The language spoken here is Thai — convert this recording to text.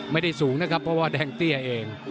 ไม่ได้สูงนะครับเพราะว่าแดงเตี้ยเอง